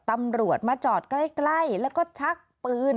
ตำรวจมาจอดใกล้แล้วก็ชักปืน